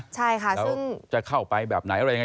แล้วจะเข้าไปแบบไหนอะไรยังไง